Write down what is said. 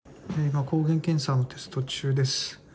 今、抗原検査のテスト中です。